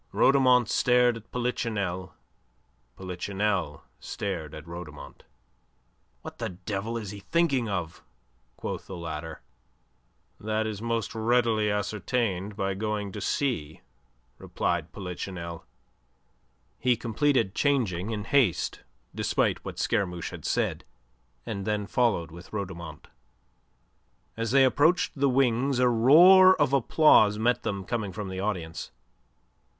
Rhodomont stared at Polichinelle. Polichinelle stared at Rhodomont. "What the devil is he thinking of?" quoth the latter. "That is most readily ascertained by going to see," replied Polichinelle. He completed changing in haste, and despite what Scaramouche had said; and then followed with Rhodomont. As they approached the wings a roar of applause met them coming from the audience.